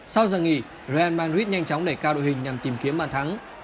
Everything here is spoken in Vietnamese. sau giờ nghỉ real madrid nhanh chóng đẩy cao đội hình nhằm tìm kiếm màn thắng